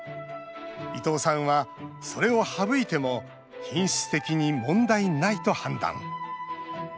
伊藤さんは、それを省いても品質的に問題ないと判断。